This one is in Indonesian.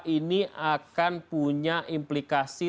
ini akan punya implikasi